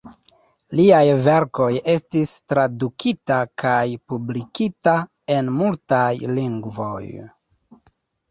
Liaj verkoj estis tradukita kaj publikita en multaj lingvoj.